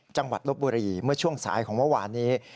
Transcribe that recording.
จังหวัดลบบุรีเมื่อช่วงสายของวะหวานนี้